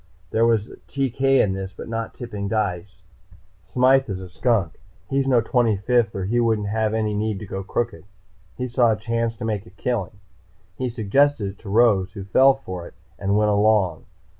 "There was TK in this, but not tipping dice. Smythe is a skunk. He's no Twenty fifth, or he wouldn't have any need to go crooked. He saw a chance to make a killing. He suggested it to Rose, who fell for it and went along.